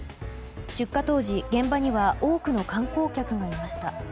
出火当時、現場には多くの観光客がいました。